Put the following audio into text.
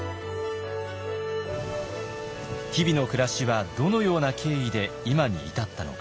日々の暮らしはどのような経緯で今に至ったのか。